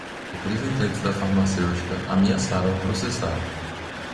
Representantes da farmacêutica ameaçaram processar